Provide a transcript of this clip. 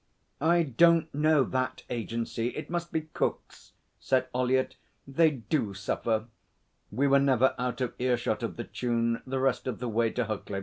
'I don't know that agency. It must be Cook's,' said Ollyett. 'They do suffer.' We were never out of earshot of the tune the rest of the way to Huckley.